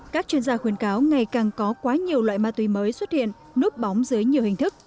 các chuyên gia khuyến cáo ngày càng có quá nhiều loại ma túy mới xuất hiện núp bóng dưới nhiều hình thức